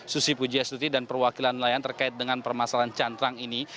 susi pujiastuti dan perwakilan nelayan terkait dengan permasalahan cantrang ini